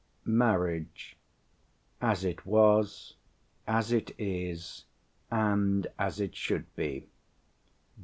MARRIAGE: AS IT WAS, AS IT IS, AND AS IT SHOULD BE.